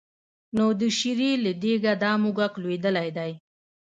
نو د شېرې له دېګه دا موږک لوېدلی دی.